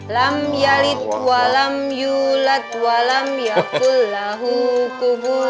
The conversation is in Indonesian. lampyerit walham yulad walhamya puluh